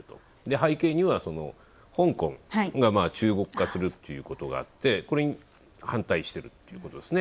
背景には、香港が中国化するっていうことがあってこれに反対しているということですね。